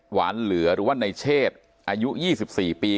หวานเหลือหรือว่าในเชษอายุยี่สิบสี่ปี